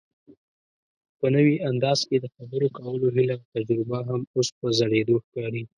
په نوي انداز کې دخبرو کولو هيله اوتجربه هم اوس په زړېدو ښکاري